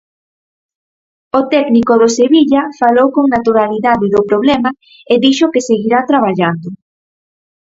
O técnico do Sevilla falou con naturalidade do problema e dixo que seguirá traballando.